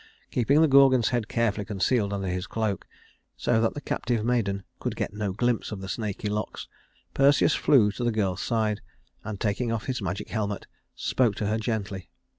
Keeping the Gorgon's head carefully concealed under his cloak, so that the captive maiden could get no glimpse of the snaky locks, Perseus flew to the girl's side, and, taking off his magic helmet, spoke to her gently.